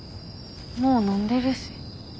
もう飲んでるし。